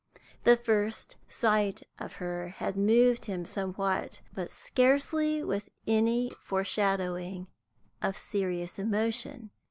The first sight of her had moved him somewhat, but scarcely with any foreshadowing of serious emotion.